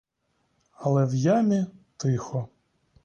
Але в ямі тихо.